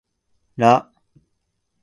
ら